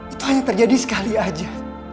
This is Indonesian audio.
itu hanya terjadi sekali aja